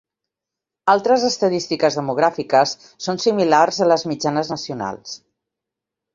Altres estadístiques demogràfiques són similars a les mitjanes nacionals.